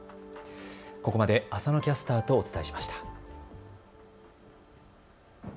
ここまで浅野キャスターとお伝えしました。